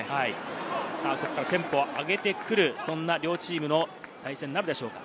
ここからテンポを上げてくる、そんな両チームの対戦になるでしょうか。